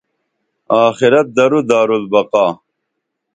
آخرت درو دارالبقا